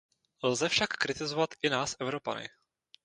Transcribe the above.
Lze však kritizovat i nás Evropany.